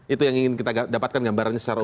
itu yang ingin kita dapatkan gambarannya secara